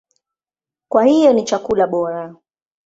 Kwa hiyo ni chakula bora.